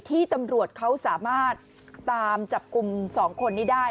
ที่ตำรวจเขาสามารถตามจับกลุ่ม๒คนนี้ได้